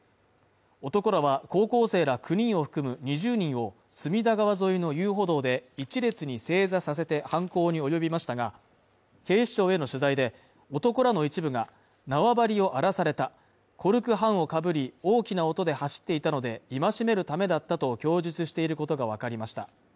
男らは高校生ら９人を含む２０人を隅田川沿いの遊歩道で一列に正座させて犯行におよびましたが、警視庁への取材で、男らの一部が縄張りを荒らされた、コルク半をかぶり、大きな音で走っていたので、戒めるためだったと供述していることがわかりました。